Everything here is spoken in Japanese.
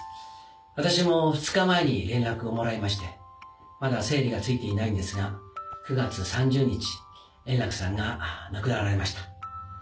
私も２日前に連絡をもらいまして、まだ整理がついていないんですが、９月３０日、円楽さんが亡くなられました。